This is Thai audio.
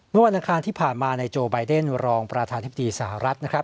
เมื่อวานอาการที่ผ่านมาในโจไบเดนรองประธานทฤษฎีสหรัฐนะครับ